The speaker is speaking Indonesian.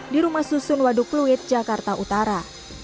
di rumah susun waduk pluit jakarta utara